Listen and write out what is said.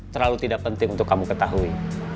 terlalu tidak penting untuk kamu ketahui